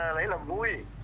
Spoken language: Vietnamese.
tôi rất là vui